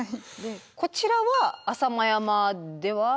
こちらは浅間山では。